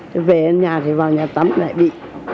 tôi về nhà thì vào nhà tắm lại bị